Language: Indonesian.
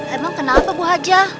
emang kenapa bu aja